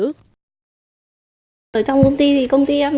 tới trong công ty thì công ty em